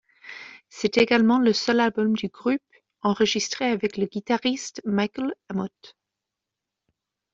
C'est également le seul album du groupe enregistré avec le guitariste Michael Amott.